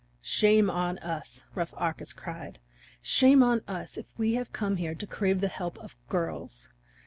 "Shame on us," rough Arcas cried, "shame on us if we have come here to crave the help of girls!